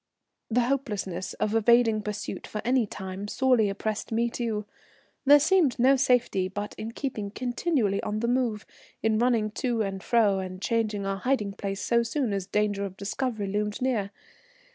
The hopelessness of evading pursuit for any time sorely oppressed me, too. There seemed no safety but in keeping continually on the move, in running to and fro and changing our hiding place so soon as danger of discovery loomed near.